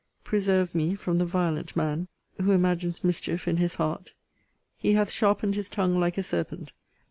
Preserve me from the violent man. Who imagines mischief in his heart. He hath sharpened his tongue like a serpent.